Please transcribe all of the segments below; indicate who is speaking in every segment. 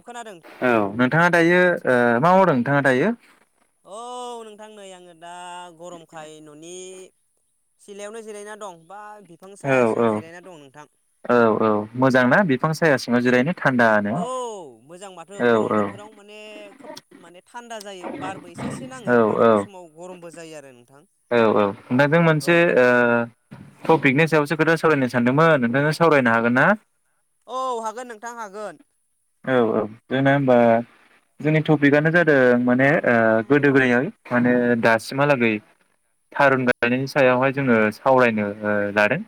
Speaker 1: अ खोनादों।
Speaker 2: औ नोंथाङा दायो ओ मा मावदों नोंथाङा दायो?
Speaker 1: औ नोंथां नै आंङो दा गरमखाय न'नि सिलायावनो जिरायना दं बा बिफां
Speaker 2: औ
Speaker 1: साया सिङाव
Speaker 2: औ
Speaker 1: जिरायना दं नोंथां।
Speaker 2: औ औ मोजां ना बिफां सायाव सिङाव जिरायनो? थान्दानो
Speaker 1: औ मोजां माथो
Speaker 2: औ
Speaker 1: गरम बोथोराव माने खोब माने थान्दा जायो बारबो एसे एसे
Speaker 2: औ
Speaker 1: नाङो मालाबा समाव गरमबो जायो आरो नोंथां।
Speaker 2: औ औ [unintelligible]
Speaker 1: औ
Speaker 2: मोनसे ओ थपिकनि सायावसो खोथा सावरायनो सानदोंमोन नोंथांजों सावरायनो हागोन ना?
Speaker 1: औ हागोन नोंथां हागोन।
Speaker 2: औ औ जोंना होबा जोंनि टपिकनो जादों माने ओ गोदो गोदाययै माने दासिमहालागै थारुन गायनायनि सायावहाय जोङो सावरायनो लादों।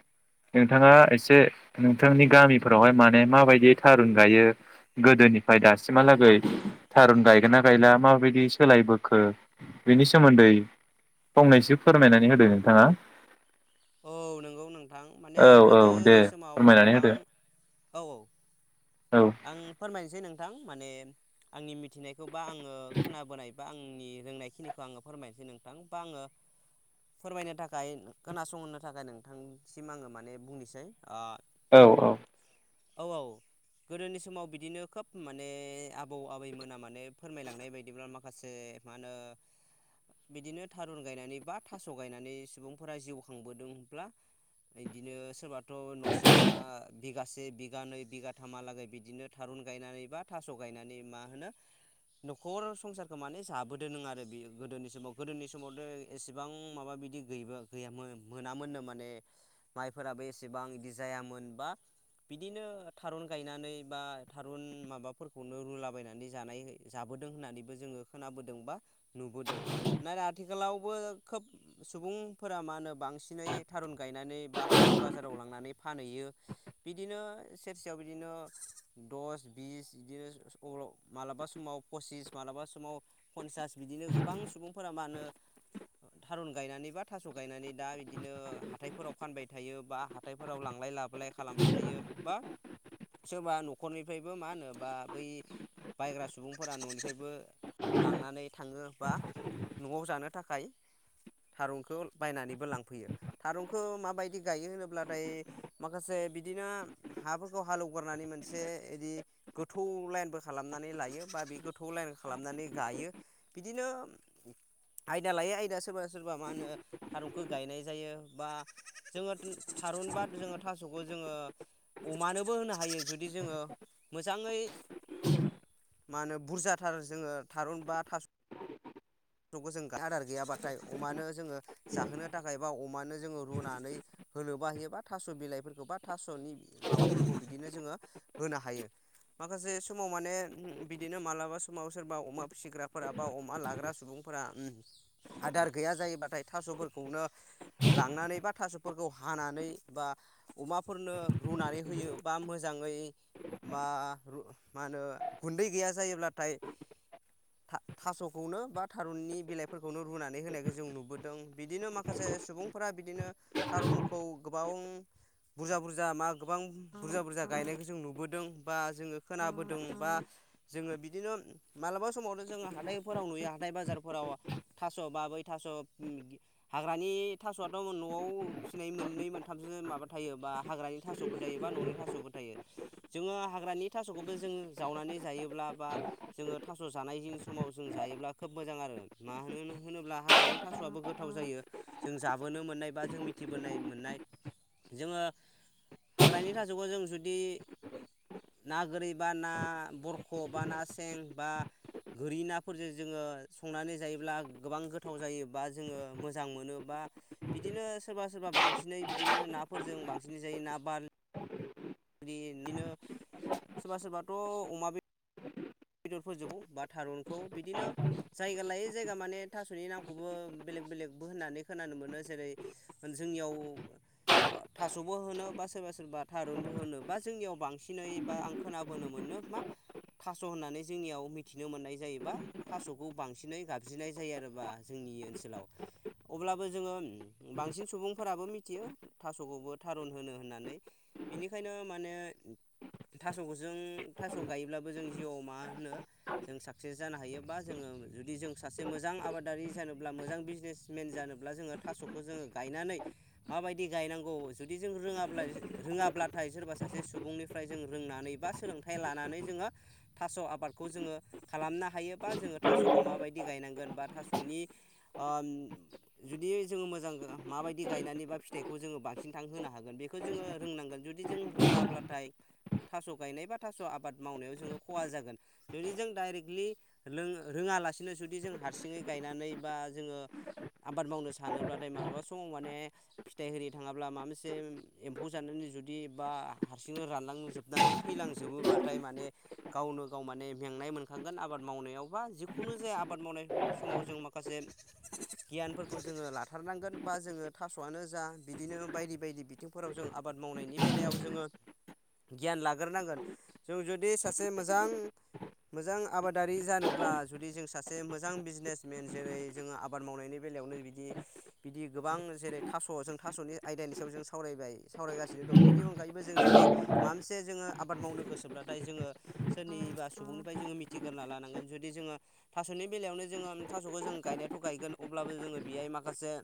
Speaker 2: नोंथाङा एसे नोंथांनि गामिफोरावहाय माने माबायदियै थारुन गायो गोदोनिफ्राय दासिमहालागै थारुन गायगोन ना गायला माबायदि सोलायबोखो बिनि सोमोन्दै फंनैसो फोरमायनानै नोंथाङा।
Speaker 1: औ नंगौ नोंथां माने
Speaker 2: औ औ दे
Speaker 1: गोदोनि समाव
Speaker 2: फोरमायनानै
Speaker 1: गोबां
Speaker 2: होदो
Speaker 1: औ औ
Speaker 2: औ
Speaker 1: आं फोरमायनोसै नोंथां माने आंनि मिथिनायखौ बा आंङो खोनाबोनाय बा आंनि रोंनायखिनिखौ आंङो फोरमायनोसै नोंथां बा आंङो फोरमायनो थाखाय खोनास संहोनो थाखाय नोंथांसिम आंङो माने बुंनोसै ओ
Speaker 2: औ औ।
Speaker 1: औ औ। गोदोनि समाव बिदिनो खोब माने आबौ आबैमोना माने फोरमायलांनाय बायदिब्ला माखासे मा होनो? बिदिनो थारुन गायनानै बा थास गायनानै सुबुंफोरा खांबोदोंब्ला इदिनो सोरबाथ' न'सेयावनो बिगासे बिगानै बिगाथामहालागै बिदिनो थारुन गायनानै बा थास' गायनानै मा होनो न'खर संसारखौ माने जाबोदोनों आरो बियो गोदोनि समाव गोदोनि समावदे एसेबां माबा बिदि गै गैयामोन मोनामोननो माने माइफोराबो एसेबां बिदि जायामोनबा बिदिनो थारुन गायनानै बा थारुन माबाफोरखौनो रुलाबायनानै जानाय जाबोदों होननानैबो जोंङो खोनाबोदों बा नुबोदों नाथाय आथिखालावबो खोब सुबुंफोरा मा होनो बांसिनै थारुन गायनानै बा हाथाय बाजाराव लांनानै फानहैयो बिदिनो सेरसेयाव बिदिनो दस बिस बिदिनो अ मालाबा समाव फसिस मालाबा समाव पन्सास बिदिनो गोबां सुबुंफोरा मा होनो थारुन गायनानै बा थास' गायनानै दा बिदिनो हाथायफोराव फानबाय थायो बा हा थायफोराव लांलाय लाबोलाय खालामबाय थायो बा सोरबा न'खरनिफ्रायबो मा होनोबा बै बायग्रा सुबुंफोरा न'निफ्रायबो लांनानै थाङो बा न'आव जानो थाखाय थारुनखौ बायनानैबो लांफैयो थारुनखौ माबायदि गायो होनोब्लाथाय माखासे बिदिनो हाफोरखौ हालेवगारनानै मोनसे इदि गोथौ लाइनबो खालामनानै लायो बा बे गोथौ लाइन खालामनानै गायो। बिदिनो आयदा लायै आयदा सोरबा सोरबा मा होनो थारुनखौ गायनाय जायो बा जोंङो थारुनबा जोंङो थास'खौ जोंङो अमानोबो होनो हायो जुदि जोंङो मोजाङै मा होनो बुरजाथार जोंङो थारुन बा थास' खौ जों आदार गैयाबाथाय अमानो जोंङो जाहोनो थाखाय बा अमानो जोंङो रुनानै होनोबो हायो बा थास' बिलाइफोरखौ बा थास'नि माबाफोरखौ बिदिनो जोंङो होनो हायो माखासे समाव माने बिदिनो मालाबा समाव सोरबा अमा फिसिग्राफोरा बा अमा लाग्रा सुबुंफोरा आदार गैया जायोबाथाय थास'फोरखौनो लांनानै बा थास' फोरखौ हानानै बा अमाफोरनो रुनानै होयो बा मोजाङै मा रु मा होनो गुन्दै गैया जायोब्लाथाय था-थास'खौनो बा थारुननि बिलाइफोरखौनो रुनानै होनायखौ जों नुबोदों बिदिनो माखासे सुबुं फोरा बिदिनो थारमुखौ गोबां बुरजा बुरजा मा गोबां बुरजा बुरजा गायनायखौ जों नुबोदों बा जोंङो खोनाबोदों बा जोंङो बिदिनो मालाबा समावनो जोंङो हाथायफोराव नुयो हाथाय बाजारफोराव थास' बा बै थास' हाग्रानि थास'आ थ न'आव फिसिनाय मोननै मोनथामसो माबा थायो बा हाग्रानि थास'बो थायो बा न'नि थास'बो थायो। जोंङो हाग्रानि थास'खौबो जों जावनानै जायोब्ला बा जोंङो थास' जानाय दिन समाव जों जायोब्ला खोब मोजां आरो मानो होनोब्ला हाग्रानि थास'आबो गोथाव जायो। जों जाबोनो मोननाय बा जों मिथिबोनाय मोननाय जोंङो हाग्रानि थासखौ जों जुदि ना गोरि बा ना बरख' बा ना सें बा गोरि नाफोरजों जोंङो संनानै जायोब्ला गोबां गोथाव जायो बा जोंङो मोजां मोनो बा बिदिनो सोरबा सोरबा बांसिनै बिदिनो नाफोरजों बांसिनै जायो ना बार लि इदिनो सोरबा सोरबाथ' अमा बे बेदर फोरजो बा थारुनखौ बिदिनो जायगा लायो जायगा माने थास'नि नामखौबो बेलेग बेलेग होननानै खोनानो मोनो जेरै जोंनियाव थास'बो होनो बा सोरबा सोरबा थारुनबो होनो बा जोंनियाव बांसिनै बा आं खोनाबोनो मोनो मा थास' होननानै जोंनियाव मिथिनो मोननाय जायोबा थास'खौ बांसिनै गाबज्रिनाय जायो आरोबा जोंनि ओनसोलाव अब्लाबो जोङो बांसिन सुबुंफोराबो मिथियो। थास'खौबो थारुन होनो होननानै बिनिखायनो माने थास'खौ जों थास' गायोब्लाबो जों जिउआव मा होनो जों साक्सेस जानो हायोबा जोङो जुदि जों सासे मोजां आबादारि जानोब्ला मोजां बिजनेस मेेन जानोब्ला जोङो थास'खौ जोङो गायनानै माबायदि गायनांगौ जुदि जों रोङाब्ला रोङाब्लाथाय सोरबा सासे सुबुंनि फ्राय जों रोंनानै बा सोलोंथाइ लानानै जोङो थास' आबादखौ जोङो खालामनो हायोबा जोङो थास'खौ माबायदि गायनांगोन बा थास' सनि ओम जुदि जोङो मोजां मााबायदि गायनानै बा फिथाइखौ जोङो बांसिन थां होनो हागोन बे खौ जोङो रोंनांगोन जुदि जों रोङाब्लाथाय थास' गायनाय बा थास' आबाद मावनायाव जोङो खहा जागोन। जुदि जों डाइरेक्टलि रों रोङालासिनो जुदि जों हारसिङै गायनानै बा जोङो आबाद मावनो सानोब्लाथाय मालाबा समाव माने फिथाइ हिरि थाङाब्ला माबा मोनसे एम्फौ जानानै जुदि बा हारसिंनो रानलांजोबनानै थैलांजोबोब्लाथाय माने गावनो गाव माने मेंनाय मोनखांगोन आबाद मावनायावबा जिखुनु जाया आबाद मावनाय समाव जों माखासे गियानफोरखौ जोङो लाथारनांगोन बा जोङो थास'आनो जा बिदिनो बायदि बायदि थिंफोराव जों आबाद मावनायनि बेलायाव जोङो गियान लाग्रोनांगोन जों जुदिस सासे मोजां मोजां आबादारि जानोब्ला जुदि जों सासे मोजां बिजनेसमेन जरै जोङो आबाद मावनायनि बेलायावनो बिदि बिदि गोबां जेरै थास' जों थास'नि आयदानि सायाव जों सावरायबाय। सावरायगासिनो दं बिनि अनगायैबो जों जुदि माबा मोनसे जोङो आबाद मावनो गोसोब्लाथाय जोङो सोरनिबा सुबुंनिफ्राय जोङो मिथिग्रोना लानांगोन जुदि जोङो थास'नि बेलायावनो जोङो थास'खौ जों गायनायाथ' गायगोन अब्लाबो जोङो बेहाय माखासे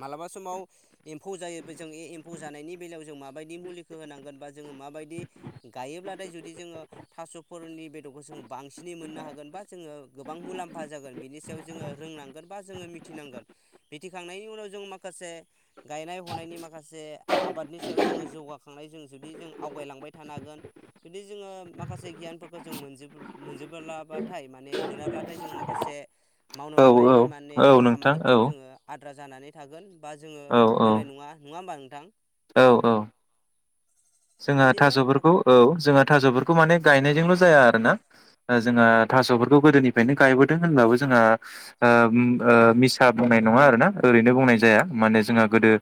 Speaker 1: मालाबा समाव एम्फौ जायो बे जोंनि एम्फौ जानायनि बेलायाव जों माबायदि मुलिखौ होनांगोन बा जोङो माबायदि गायोब्लाथाय जुदि जोङो थास'फोरनि बेदरखौ जोङो बांसिनै मोननो हागोन बा जोङो गोबां मुलाम्फा जागोन बिनि सायाव जोङो रोंनांगोन बा जोङो मिथिनांगोन मिथिखांनायनि उनाव जों माखासे गायनाय हनायनि माखासे आबादनि सायाव जोङो जौगाखांनाय जों जुदि जों आवगायलांबाय थानो हागोन। जुदि जोङो माखासे गियानफोरखौ जों मोनजोबो मोनजोबोला बा थाय माने मोनाब्लाथाय जों माखासे मावनो
Speaker 2: औ औ
Speaker 1: लानाय माने
Speaker 2: औ नोंथां औ
Speaker 1: खामानिफोर जोङो आद्रा जानानै थागोन बा जोङो
Speaker 2: औ
Speaker 1: रोंनाय नङा नङा होमबा नोंथां?
Speaker 2: औ, औ जोंहा
Speaker 1: बिदिनो मा
Speaker 2: थास'फोरखौ औ जोंहा थास'फोरखौ माने गायनायजोंल' जाया आरो ना। जोंहा थास'फोरखौ गोदोनिफ्रायनो गायबोदों होनब्लाबो जोंहा ओ उम ओ मिसा बुंनाय नङा आरो ना ओरैनो बुंनाय जाया माने जोंहा गोदो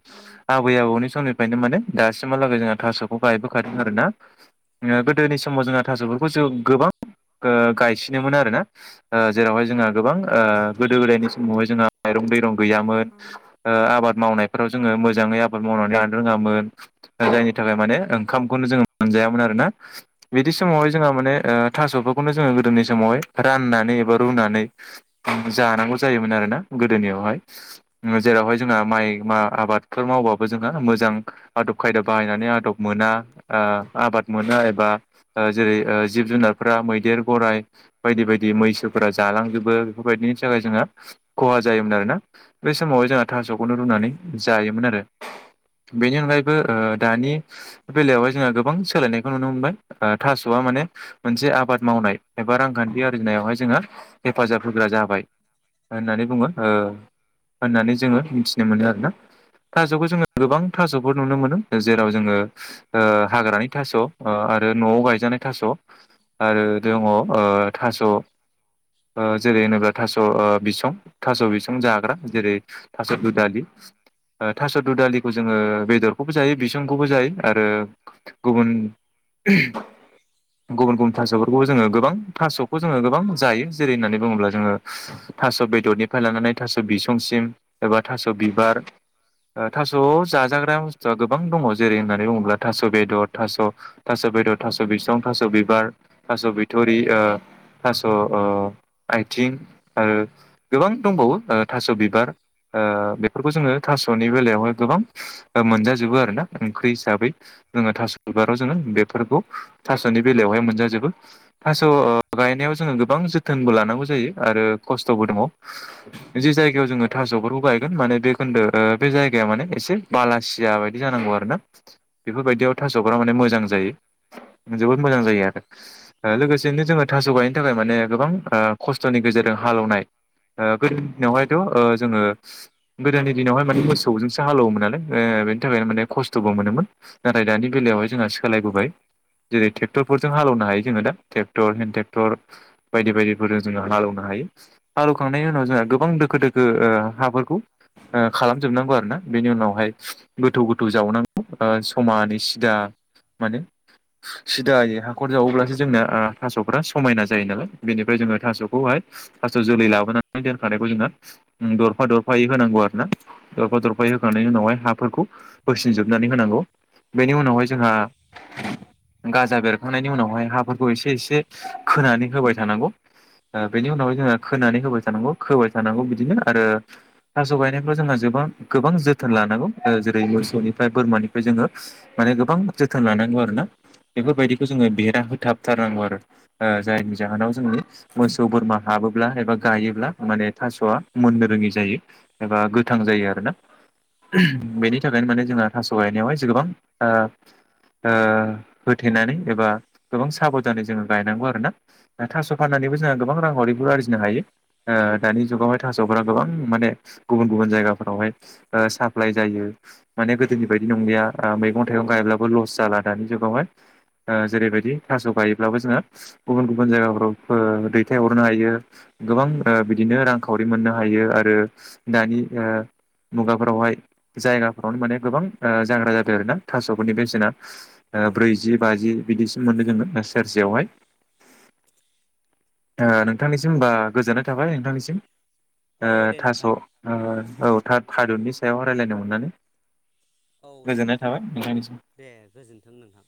Speaker 2: आबै आबौनि समनिफ्रायनो माने दासिमहालागै जोंहा थास'ब बो गायबोखादों आरो ना [unintelligible] [unintelligible] गोदोनि समाव जोंहा थास'फोरखौ जों गोबां ओ गायसिनोमोन आरोना। ओ जेरावहाय जोंहा गोबां ओ गोदो गोदायनि समावहाय जोंहा माइरं दैरं गैयामोन ओ आबाद मावनायफोराव जोङो मोजाङै आबाद मावनानै लानो रोङामोन जायनि थाखाय माने ओंखामखौनो जोङो मोनजायामोन आरो ना बिदि
Speaker 1: नंगौ
Speaker 2: समावहाय जोंहा माने ओ थास'फोरखौनो जोङो गोदोनि समावहाय राननानै एबा रुनानै जानांगौ जायोमोन आरोना गोदोनियावहाय उम जेरावहाय जोंहा माइ मा आबादफोर मावबाबो जोंङो मोजां आदब खायदा बाहायनानै आदब आ ओ आबाद मोनो एबा ओ जेरै जिब जुनारफोरा मैदेर गराइ बायदि बायदि मैसोफोरा जालांजोबो बेफोरबायदिनि थाखाय जोङो खहा जायोमोन आरोना बे समावहाय जोंहा थास'खौनो रुनानै जायोमोन आरो बेनि अनगायैबो ओ दानि बेलायावहाय जोंहा गोबां सोलायनायखौ नुनो मोनबाय ओ थास'आ माने मोनसे आबाद मावनाय एबा रांखान्थि आरजिनायावहाय जोङो हेफाजाब होग्रा जाबाय होननानै बुङो ओ होननानै जोङो मिथिनो मोनो आरोना थास'खौ जोङो गोबां थास'फोर नुनो मोनो जेराव जोङो ओ हाग्रानि थास' ओ आरो न'आव गायजानाय थास' आरो दङ ओ थास' ओ जेरै होनोब्ला थास' ओ बिसं थास' बिसं जाग्रा जेरै थास' दुदालि ओ थास' दुदालिखौ जोङो बेदरखौबो जायो बिसंखौबो जायो आरो गुबुन गुबुन गुबुन थास'फोरखौबो जोङो गोबां थास'खौ जोङो गोबां जायो जेरै होननानै बुङोब्ला जोङो थास' बेदरनिफ्राय लानानै थास' बिसंसिम एबा थास' बिबार ओ थास' जाजाग्रा बुस्थुआ गोबां दङ जेरै होनना बुङोब्ला थास' बेदर थास' थास' बेदर थास' बिसं थास' बिबार थास' बिथ'रि ओ थास' ओ आइथिं ओ गोबां दंबावो ओ थास' बिबार ओ बेफोरखौ जोङो थास'नि बेलायावहाय गोबां ओ मोनजा जोबो आरो ना उम खै हिसाबै जोङो थास' बिबाराव जोङो बेफोरखौ थास'नि बेलायावहाय मोनजा जोबो। थास' ओ गायनायाव जोङो गोबां जोथोनबो लानांगौ जायो आरो खस्थ'बो दङ। जि जायगायाव जोङो थास'फोरखौ गायगोन माने बे खोन्दो ओ बे जायगाया माने एसे बालासिया बायदि जानांगौ आरो ना बेफोरबायदियाव थास'बिबारा माने मोजां जायो जोबोद मोजां जायो आरो ओ‌ लोगोसेनो जोंङो थास' गायनो थाखाय माने गोबां ओ खस्थ'नि गेजेरजों हालेवनाय ओ गोदोनि दिनावहायथ' ओ जोङो गोदोनि दिनावहाय माने मोसौजोंसो हाल एवोमोन नालाय ओ बेनि थाखायनो माने खस्थ [unintelligible] मोनोमोन नाथाय दानि बेलायावहाय जोंहा सोलायबोबाय जेरै ट्रेक्टरफोरजों हालावनो हायो जोङो दा ट्रेक्टर हेन ट्रेक्टर बायदि बायदिफोरजों जोंङो हाल एवनो हायो। हाल एवखांनायनि उनाव जोंहा गोबां दोखो दोखो ओ हाफोरखौ ओ खालामजोबनांगौ आरो ना बेनि उनावहाय गोथौ गोथौ जावनांग ओ समानै सिदा माने सिदायै हाखर जावोब्लासो जोंना ओ थास'फ्रा समायना जायो नालाय बेनिफ्राय जोंङो थास'खौहाय थास' जोलै लाबोनानै दोनखानायखौ जोंना उम दरफा दरफायै होनांगौ आरो ना दरफा दरफायै होखांनायनि उनावहाय हाफोरखौ होसिनजोब होननानै होनांगौ बेनि उनावहाय जोंहा गाजा बेरखांनायनि उनावहाय हाफोरखौ एसे एसे खोनानै होबाय थानांगौ। ओ बेनि उनावहाय जोंङो खोनानै होबाय थानांगौ खोबाय थानांगौ बिदिनो आरो थास' गायनायफ्राव जोंहा जोबां गोबां जोथोन लानांगौ ओ जेरै मोसौनिफ्राय बोरमानिफ्राय जोङो माने गोबां जोथोन लानांगौ आरोना बेफोरबायदिखौ जोंङो बेरा होथाबथारनांगौ आरो ओ जायनि जाहोनाव जोंनि मोसौ बोरमा हाबोब्ला एबा गायोब्ला माने थास'आ मोननो रोङि जायो। एबा गोथां जायो आरो ना बेनि थाखायनो माने जोंहा थास' गायनायावहाय जो गोबां ओ ओ होथेनानै एबा गोबां साबोधानै जोंङो गायनांगौ आरो ना थास' फाननानैबो जोंहा गोबां रां खावरिबो आरजिनो हायो। ओ दानि जुगावहाय थास'फोरा गोबां माने गुबुन गुबुन जायगाफोरावहाय ओ साप्लाय जायो माने गोख दोनि बायदि नंलिया ओ मैगं थाइगं गायब्लाबो लस जाला दानि जुगावहाय ओ जेरैबायदि थास' गायोब्लाबो जोंङो गुबुन गुबुन जायगाफोराव ओ दैथायहरनो हायो। गोबां ओ बिदिनो रांखावरि मोननो हायो आरो दानि ओ मुगाफोरावहाय जायगाफ्रावनो माने गोबां ओ जाग्रा जाबाय आरोना थास'फोरनि बेसेना ओ ब्रैजि बाजि बिदिसिम मोनो [unintelligible] सेरसेयावहाय। ओ नोंथांनिसिम होमबा गोजोननाय थाबाय नोंथांनिसिम।
Speaker 1: औ
Speaker 2: ओ
Speaker 1: दे
Speaker 2: थास'
Speaker 1: नोंथां
Speaker 2: औ थारुननि सायाव रायलायनो मोननानै
Speaker 1: औ दे नोंथां
Speaker 2: थाबाय
Speaker 1: गोजोननाय
Speaker 2: नोंथांनिसिम
Speaker 1: थाबाय दे गोजोनथों नोंथां।